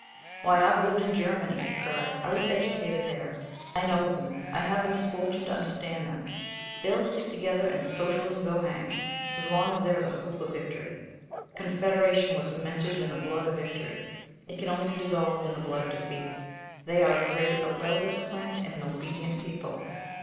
"Why, I've lived in Germany," he cried. "I was educated there. I know them. I have the misfortune to understand them. They'll stick together and Socialism go hang as long as there is a hope of victory. The Confederation was cemented in the blood of victory. It can only be dissolved in the blood of defeat. They are a great, a well disciplined, and an obedient people."